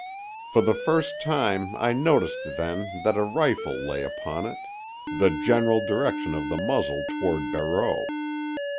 For the first time I noticed then that a rifle lay upon it, the general direction of the muzzle toward Barreau.